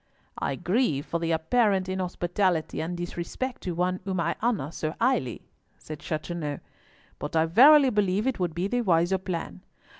"I grieve for the apparent inhospitality and disrespect to one whom I honour so highly," said Chateauneuf, "but I verily believe it would be the wiser plan.